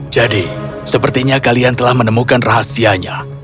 sepertinya kalian telah menemukan rahasianya